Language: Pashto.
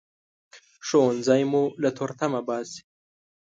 ښوونځی مو له تورتمه باسي